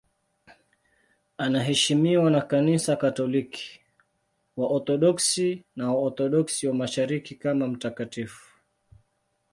Anaheshimiwa na Kanisa Katoliki, Waorthodoksi na Waorthodoksi wa Mashariki kama mtakatifu.